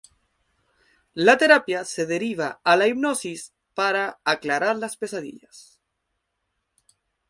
La terapia se deriva a la hipnosis para aclarar las pesadillas.